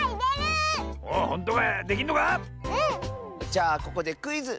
じゃあここでクイズ！